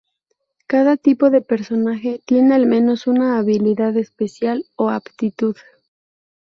Cada tipo de personaje tiene al menos una habilidad especial o aptitud.